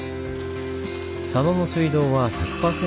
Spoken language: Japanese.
佐野の水道は１００％